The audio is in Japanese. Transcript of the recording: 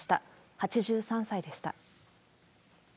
８３歳でした。